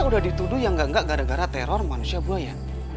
dituduh yang gak gara gara teror manusia buaya